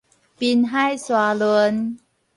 濱海沙崙